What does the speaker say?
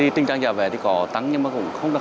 khi trình trạng giờ về thì có tăng nhưng mà không được